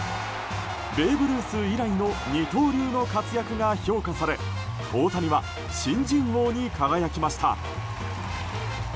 ベーブ・ルース以来の二刀流の活躍が評価され大谷は新人王に輝きました。